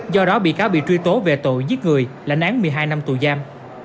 do đó bị cáo bị truy tố về tội giết người lãnh án một mươi hai năm tù giam